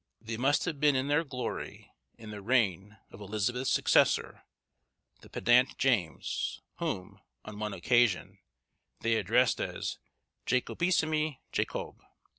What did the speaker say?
They must have been in their glory in the reign of Elizabeth's successor, the pedant James, whom, on one occasion, they addressed as Jacobissime Jacobe.